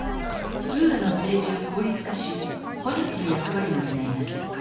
ウーアの政治を効率化し補助する役割を担います。